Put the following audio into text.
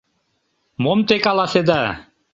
Мом те каласеда?